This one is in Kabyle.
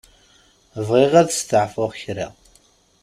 Bɣiɣ ad steɛfuɣ kra.